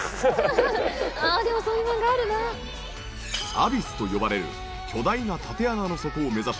アビスと呼ばれる巨大な縦穴の底を目指し。